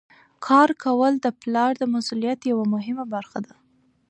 کار کول د پلار د مسؤلیت یوه مهمه برخه ده.